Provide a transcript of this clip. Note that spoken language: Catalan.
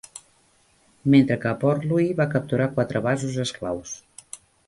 Mentre que a Port Louis va capturar quatre vasos esclaus.